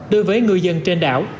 đối với người dân trên đảo